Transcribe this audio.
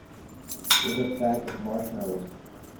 With a bag of marshmallows.